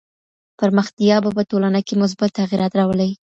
پرمختيا به په ټولنه کي مثبت تغيرات راولي.